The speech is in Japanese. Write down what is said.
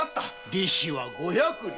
利子は五百両。